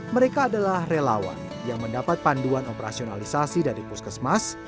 mereka adalah relawan yang mendapat panduan operasionalisasi dari puskesmas